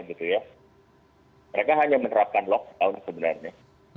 mereka hanya menerapkan lockdown sebenarnya